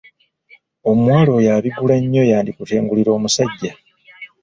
Omuwala oyo abigula nnyo yandikutengulira omusajja.